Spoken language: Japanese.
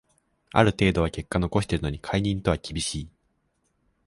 ある程度は結果残してるのに解任とは厳しい